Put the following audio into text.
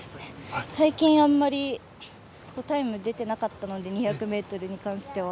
最近あまりタイム出てなかったので２００ｍに関しては。